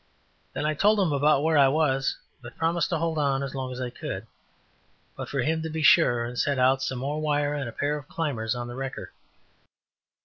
Then I told him about where I was, but promised to hold on as long as I could, but for him to be sure and send out some more wire and a pair of climbers on the wrecker.